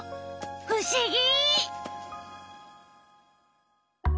ふしぎ！